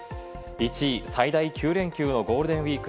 １位、最大９連休のゴールデンウイーク。